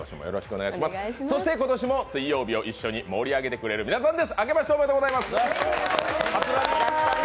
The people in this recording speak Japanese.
今年も水曜日を一緒に盛り上げてくれる皆さんです。